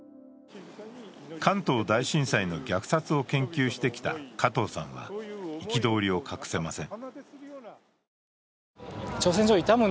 関東大震災の虐待を研究してきた加藤さんは憤りを隠せません。